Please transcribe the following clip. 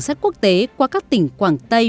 sắt quốc tế qua các tỉnh quảng tây